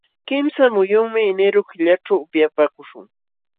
Kimsa muyunmi enero killaćhu upyapaakuśhun.